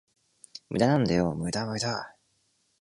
無駄なんだよ、無駄無駄